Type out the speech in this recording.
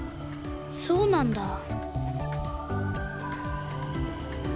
そうなんだ。